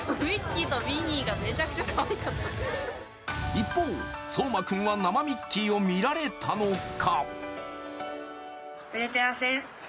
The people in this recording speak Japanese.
一方、そうまくんは生ミッキーを見られたのか？